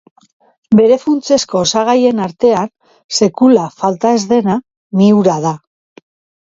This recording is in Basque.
Bere funtsezko osagaien artean, sekula falta ez dena, mihura da.